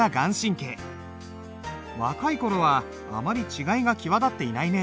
若い頃はあまり違いが際立っていないね。